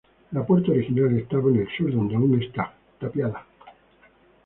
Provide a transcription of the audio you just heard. La puerta original estaba en el sur, donde aún está, tapiada.